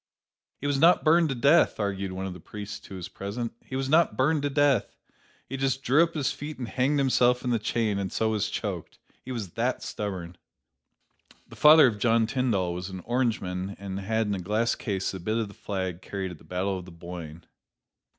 "He was not burned to death," argued one of the priests who was present; "he was not burned to death. He just drew up his feet and hanged himself in the chain, and so was choked: he was that stubborn!" The father of John Tyndall was an Orangeman and had in a glass case a bit of the flag carried at the Battle of the Boyne.